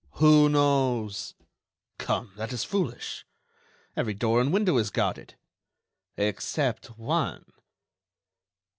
"Who knows?" "Come, that is foolish. Every door and window is guarded." "Except one."